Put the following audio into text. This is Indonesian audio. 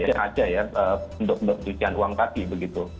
ada yang ada ya untuk pencucian uang tadi begitu